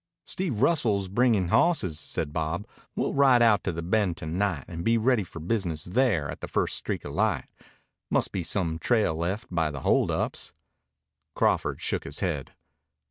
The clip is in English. "Steve Russell is bringin' hawsses," said Bob. "We'll ride out to the Bend to night and be ready for business there at the first streak of light. Must be some trail left by the hold ups." Crawford shook his head.